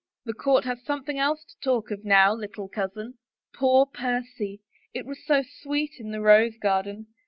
" The court has something else to talk of now, little cousin. Poor Percy — it was so sweet in the rose gar den